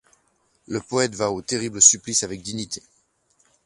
Le poète va au terrible supplice avec dignité.